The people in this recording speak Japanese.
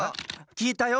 きえたよ。